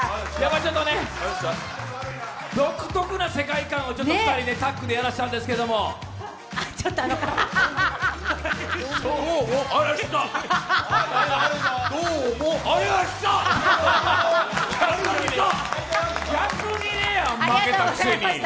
独特な世界観の２人をタッグでやらせたんですけどどうも、あざーした。